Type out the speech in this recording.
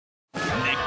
「熱狂！